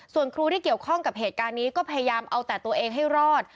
ส่วนครูที่เกี่ยวข้องกับเหตุการณ์นี้ก็พยายามเอาแต่ตัวเองให้รอด